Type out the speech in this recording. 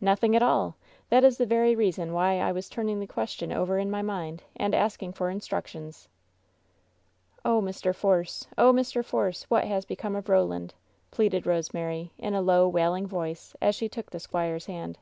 "Nothing at all! That is the very reason why I was turning the question over in my mind and asking for instructions." "Oh, Mr. Force ! Oh, Mr. Force I What has become of Koland?" pleaded Boeemary, in a low, wailing voice as she took the squire's hand.